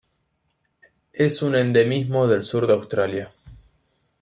Es un endemismo del sur de Australia.